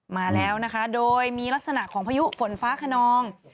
มาแล้วนะคะโดยมีลักษณะของพายุฝนฟ้าขนอง